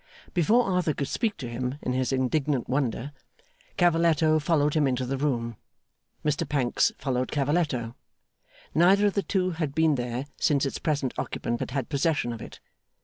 Before Arthur could speak to him in his indignant wonder, Cavalletto followed him into the room. Mr Pancks followed Cavalletto. Neither of the two had been there since its present occupant had had possession of it.